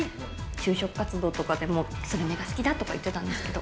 就職活動とかでも、スルメが好きだとか言ってたんですけど。